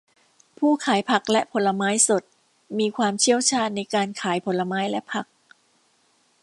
ผู้ขายผักและผลไม้สดมีความเชี่ยวชาญในการขายผลไม้และผัก